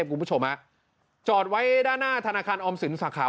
คุณผู้ชมฮะจอดไว้ด้านหน้าธนาคารออมสินสาขา